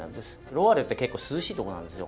ロワールって結構涼しいとこなんですよ。